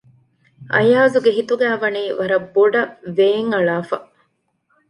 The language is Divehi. އަޔާޒުގެ ހިތުގައިވަނީ ވަރަށް ބޮޑަށް ވޭން އަޅާފަ